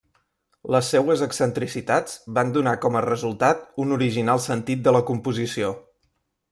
Les seues excentricitats van donar com a resultat un original sentit de la composició.